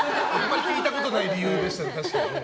聞いたことがない理由でしたけど。